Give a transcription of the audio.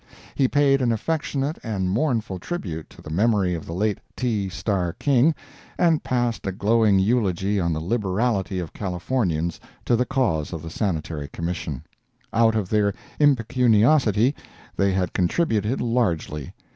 He paid an affectionate and mournful tribute to the memory of the late T. Starr King, and passed a glowing eulogy on the liberality of Californians to the cause of the Sanitary Commission; out of their impecuniosity they had contributed largely.